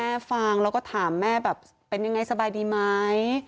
ฟังแล้วก็ถามแม่แบบเป็นยังไงสบายดีไหม